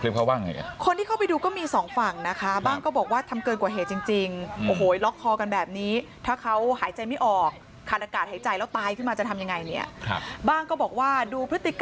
แล้วคนที่ดูคลิปเขาว่าอย่างไร